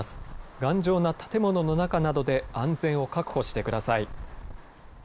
頑丈な建物の中などで安全を確保してください。